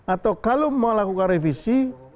atau kalau mau lakukan revisi